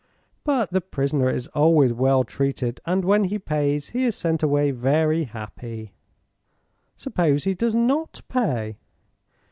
But the prisoner is always well treated, and when he pays he is sent away very happy." "Suppose he does not pay?"